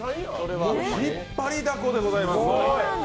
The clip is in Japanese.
引っ張りだこでございます。